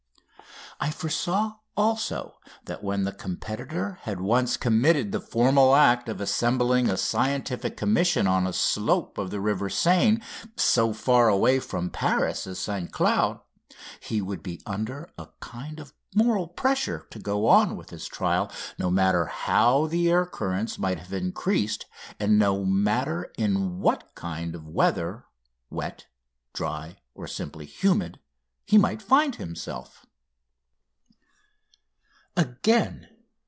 I foresaw also that when a competitor had once committed the formal act of assembling a Scientific Commission on a slope of the River Seine so far away from Paris as St Cloud he would be under a kind of moral pressure to go on with his trial, no matter how the air currents might have increased, and no matter in what kind of weather wet, dry, or simply humid he might find himself.